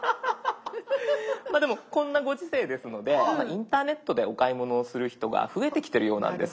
でもこんなご時世ですのでインターネットでお買い物をする人が増えてきてるようなんです。